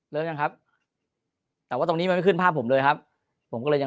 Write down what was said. ยังครับแต่ว่าตรงนี้มันไม่ขึ้นภาพผมเลยครับผมก็เลยยัง